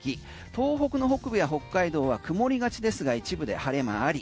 東北の北部や北海道は曇りがちですが一部で晴れ間あり。